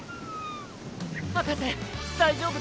博士大丈夫ですか？